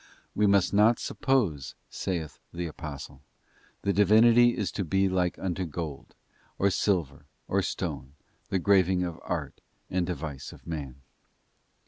'We must not suppose,' saith the Apostle, ' the Divinity to be like unto gold, or silver, or stone, the graving of art and device of man.